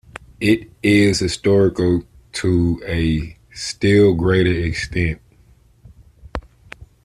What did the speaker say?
It is historical to a still greater extent.